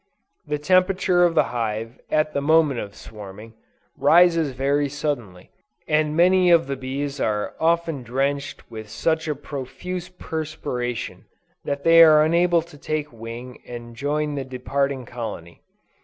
The temperature of the hive, at the moment of swarming, rises very suddenly, and many of the bees are often drenched with such a profuse perspiration that they are unable to take wing and join the departing colony.